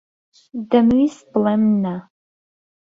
دەمویست بڵێم نا.